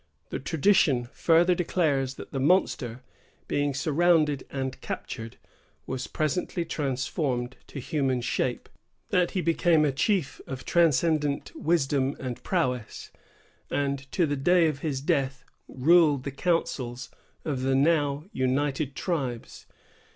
The tradition further declares that the monster, being surrounded and captured, was presently transformed to human shape, that he became a chief of transcendent wisdom and prowess, and to the day of his death ruled the councils of the now united tribes.